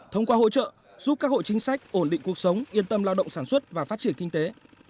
thông qua hỗ trợ giúp các hộ chính sách ổn định cuộc sống yên tâm lao động sản xuất và phát triển kinh tế